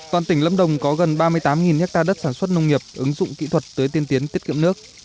toàn tỉnh lâm đồng có gần ba mươi tám ha đất sản xuất nông nghiệp ứng dụng kỹ thuật tưới tiên tiến tiết kiệm nước